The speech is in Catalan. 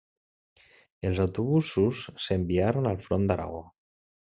Els autobusos s'enviaren al Front d'Aragó.